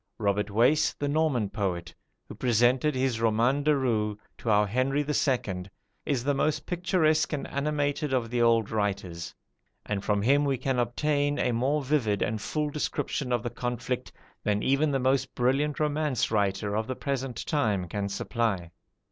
Robert Wace, the Norman poet, who presented his "Roman de Rou" to our Henry II., is the most picturesque and animated of the old writers; and from him we can obtain a more vivid and full description of the conflict, than even the most brilliant romance writer of the present time can supply.